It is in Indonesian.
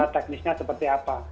teknisnya seperti apa